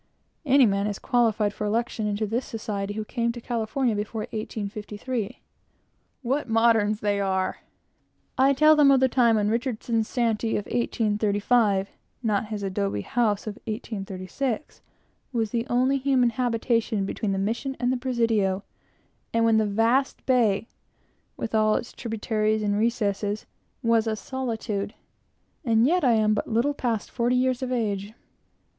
Any man is qualified for election into the society who came to California before 1853. What moderns they are! I tell them of the time when Richardson's shanty of 1835 not his adobe house of 1836 was the only human habitation between the Mission and the Presidio, and when the vast bay, with all its tributaries and recesses, was a solitude, and yet I am but little past forty years of age.